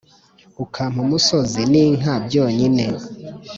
ukampa umusozi ninka byonyine